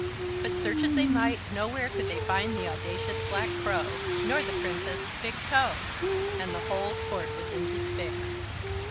But, search as they might, nowhere could they find the audacious Black Crow, nor the Princess' big toe, and the whole court was in despair.